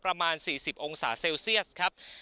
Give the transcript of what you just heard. ประมาณ๔๐องศาเซลเซียสครับ